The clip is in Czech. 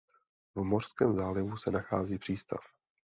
V mořském zálivu se nachází přístav.